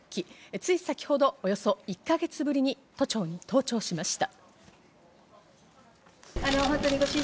つい先程、およそ１か月ぶりに都庁に登庁しました。